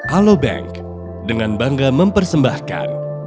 alo bank dengan bangga mempersembahkan